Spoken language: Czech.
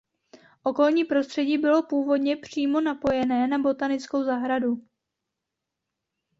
Okolní prostředí bylo původně přímo napojené na botanickou zahradu.